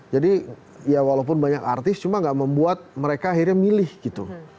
jadi ya walaupun banyak artis cuma gak membuat mereka akhirnya milih gitu